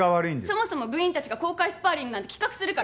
そもそも部員たちが公開スパーリングなんて企画するから。